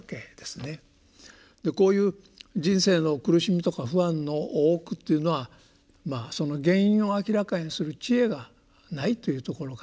こういう人生の苦しみとか不安の多くっていうのはその原因を明らかにする智慧がないというところから生まれていると。